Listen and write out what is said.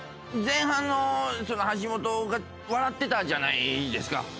前半の橋本が笑ってたじゃないですか。